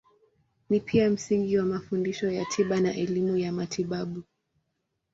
Ni pia msingi wa mafundisho ya tiba na elimu ya matibabu.